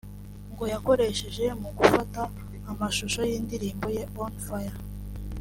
ngo yayakoresheje mu gufata amashusho y’indirimbo ye ‘On Fire’